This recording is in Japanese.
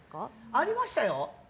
ありましたよ。